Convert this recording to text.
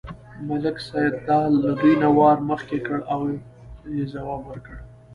ملک سیدلال له دوی نه وار مخکې کړ او یې ځواب ورکړ.